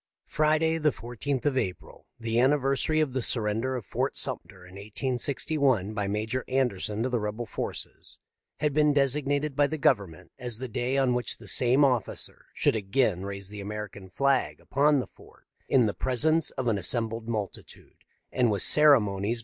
Friday, the 14th of April, the anniversary of the surrender of Fort Sumter in 1861 by Major Anderson to the rebel forces, had been designated by the Government as the day on which the same officer should again raise the American flag upon the fort in the presence of an assembled multitude, and with ceremonies befitting so auspicious an occasion.